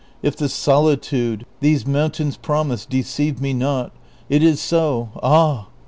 If the solitude these mountains })romise de ceive me not, it is so ; ah